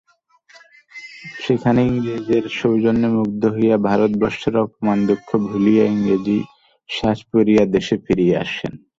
সেখানে ইংরাজের সৌজন্যে মুগ্ধ হইয়া ভারতবর্ষের অপমানদুঃখ ভুলিয়া ইংরাজি সাজ পরিয়া দেশে ফিরিয়া আসেন।